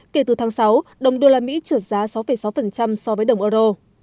kể từ tháng sáu đồng đô la mỹ trượt giá sáu sáu so với đồng euro